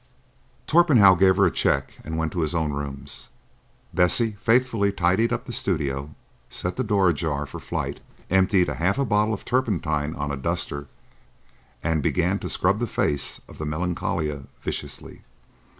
Torpenhow gave her a check and went to his own rooms. Bessie faithfully tidied up the studio, set the door ajar for flight, emptied half a bottle of turpentine on a duster, and began to scrub the face of the Melancolia viciously.